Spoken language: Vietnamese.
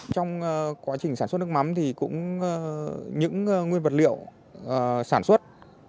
trong quá trình sản xuất nước mắm thì cũng những nguyên vật liệu sản xuất